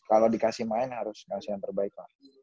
kalau dikasih main harus dikasih yang terbaik lah